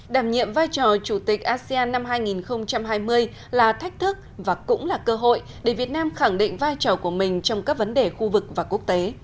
đảm nhiệm vai trò chủ tịch asean năm hai nghìn hai mươi là thách thức và cũng là cơ hội để việt nam khẳng định vai trò của mình trong các vấn đề khu vực và quốc tế